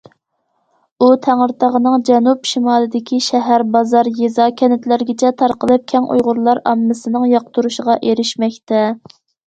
ئۇ تەڭرىتاغنىڭ جەنۇب- شىمالىدىكى شەھەر، بازار، يېزا، كەنتلەرگىچە تارقىلىپ، كەڭ ئۇيغۇرلار ئاممىسىنىڭ ياقتۇرۇشىغا ئېرىشمەكتە.